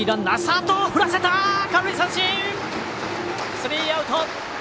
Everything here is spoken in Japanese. スリーアウト！